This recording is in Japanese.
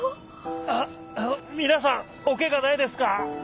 あ皆さんおケガないですか？